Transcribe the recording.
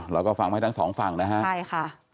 เราก็ฟังให้ทั้งสองฝั่งนะฮะใช่ค่ะ